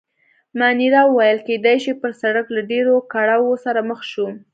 مانیرا وویل: کېدای شي، پر سړک له ډېرو کړاوو سره مخ شو.